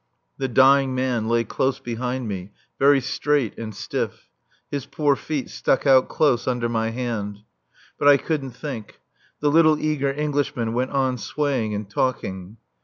The dying man lay close behind me, very straight and stiff; his poor feet stuck out close under my hand. But I couldn't think. The little eager Englishman went on swaying and talking.